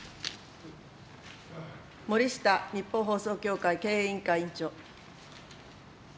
森下日本放送協会経営委員会委員長。